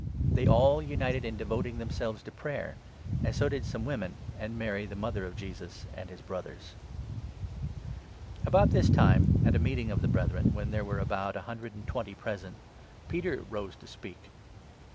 They all united in devoting 14 themselves to Prayer, and so did some women, and Mary, the mother of Jesus, and his brothers. Appointment About this time, at a meeting of the Brethren, 15 of when there were about a hundred and twenty Matthias, present, Peter rose to speak.